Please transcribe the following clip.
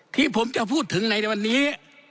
ที่ผมจะพูดถึงในวันนี้